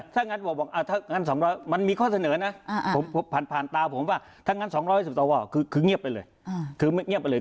ถ้างั้นมันมีข้อเสนอนะผ่านตาผมว่าถ้างั้น๒๕๐สวคือเงียบไปเลย